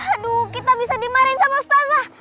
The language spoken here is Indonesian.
aduh kita bisa dimarahin sama stana